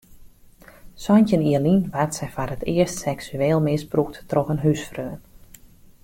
Santjin jier lyn waard sy foar it earst seksueel misbrûkt troch in húsfreon.